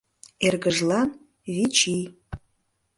Эргыжлан — вич ий.